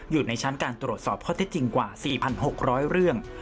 อยู่ในชั้นการตรวจสอบข้อเท็จจริงกว่า๔๖๐๐เรื่อง